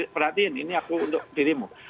perhatiin ini aku untuk dirimu